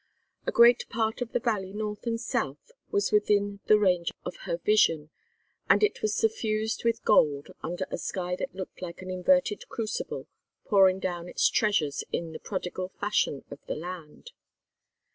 A great part of the valley north and south was within the range of her vision, and it was suffused with gold under a sky that looked like an inverted crucible pouring down its treasures in the prodigal fashion of the land.